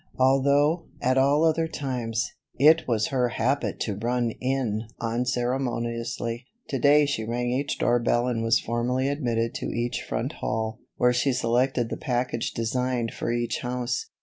Although, at all other times, it was her habit to run in unceremoniously, to day she rang each door bell and was formally admitted to each front hall, where she selected the package designed for each house.